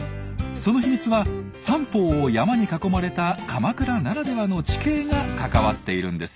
その秘密は三方を山に囲まれた鎌倉ならではの地形が関わっているんですよ。